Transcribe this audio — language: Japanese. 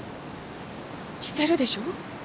してるでしょ？